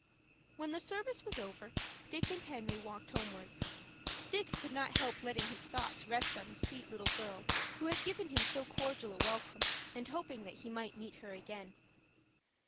When the service was over Dick and Henry walked homewards. Dick could not help letting his thoughts rest on the sweet little girl who had given him so cordial a welcome, and hoping that he might meet her again.